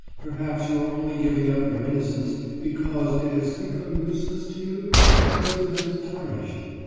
Perhaps you are only giving up your innocence because it has become useless to you, because it has tarnished.